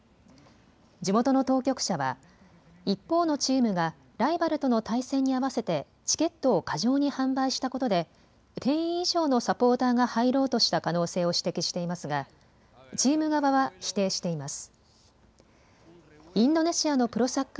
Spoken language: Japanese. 地元の当局者は一方のチームがライバルとの対戦に合わせてチケットを過剰に販売したことで定員以上のサポーターが入ろうとした可能性を指摘していますがチーム側は否定しています。